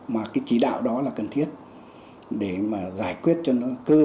mà cái chỉ đạo đó là cần thiết để giải quyết cho nó cơ bản triệt đẻ và dứt điểm